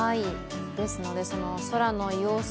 ですので空の様子